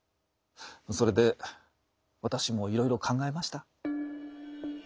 それで私もいろいろ考えました。